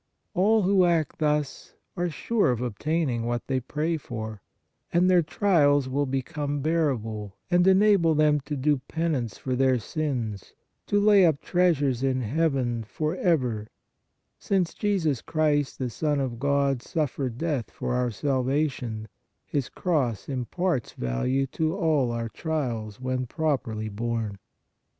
All who act thus are sure of obtaining what they pray for, and their trials will FOR WHOM TO PRAY 143 become bearable and enable them to do penance for their sins, to lay up treasures in heaven, for ever since Jesus Christ, the Son of God, suffered death for our salvation, His cross imparts value to all our trials and afflictions when properly borne.